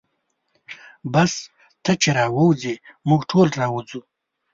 بس ته چې راووځې موږ ټول راوځو.